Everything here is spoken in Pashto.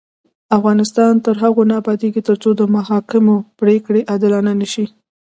افغانستان تر هغو نه ابادیږي، ترڅو د محاکمو پریکړې عادلانه نشي.